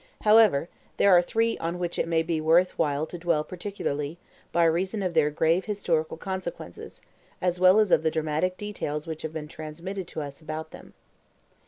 However, there are three on which it may be worth while to dwell particularly, by reason of their grave historical consequences, as well as of the dramatic details which have been transmitted to us about them.